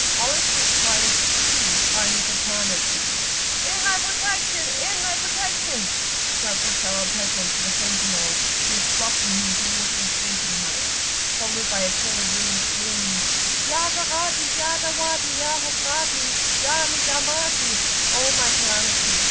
All the street cries, too, are in the soprano key. "In thy protection! in thy protection!" shouts a Fellah peasant to a sentinel, who is flogging him towards the station house, followed by a tail of women, screaming, "Ya Gharati ya Dahwati ya Hasrati ya Nidamati O my calamity!